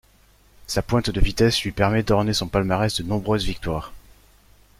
Sa pointe de vitesse lui permet d'orner son palmarès de nombreuses victoires.